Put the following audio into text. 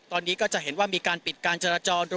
ตอนนี้ก็จะเห็นว่ามีการปิดการจราจร